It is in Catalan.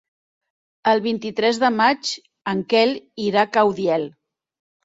El vint-i-tres de maig en Quel irà a Caudiel.